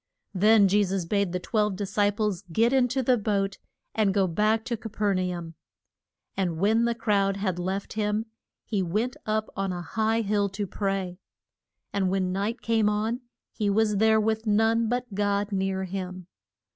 Then Je sus bade the twelve dis ci ples get in to the boat and go back to Ca per na um. And when the crowd had left him he went up on a high hill to pray. And when night came on he was there with none but God near him.